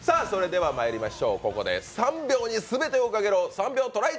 まいりましょう、ここで３秒に全てをかけろ、「３秒トライ！」